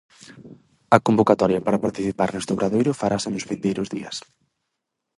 A convocatoria para participar neste obradoiro farase nos vindeiros días.